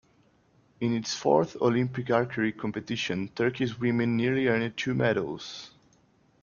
In its fourth Olympic archery competition, Turkey's women nearly earned two medals.